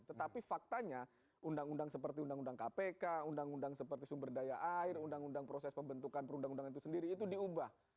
tetapi faktanya undang undang seperti undang undang kpk undang undang seperti sumber daya air undang undang proses pembentukan perundang undangan itu sendiri itu diubah